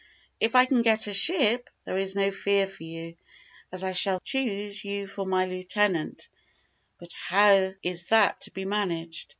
If I can get a ship, there is no fear for you, as I shall choose you for my lieutenant; but how is that to be managed?